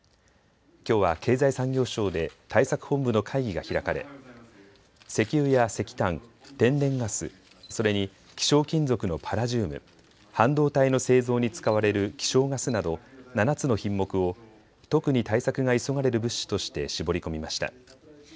きょうは経済産業省で対策本部の会議が開かれ石油や石炭、天然ガス、それに希少金属のパラジウム、半導体の製造に使われる希少ガスなど７つの品目を特に対策が急がれる物資として絞り込みました。